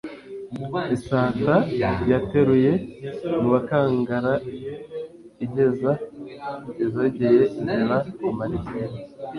Isata yateruye mu bukangaraIgeza izogeye ziba amariza